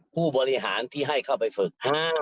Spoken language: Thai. ผู้บริหารที่ให้เข้าไปฝึก